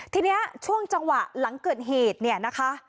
ทีนี้ช่วงจังหวะหลังเกิดเหตุเนี่ยนะคะ